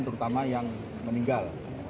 terutama yang meninggal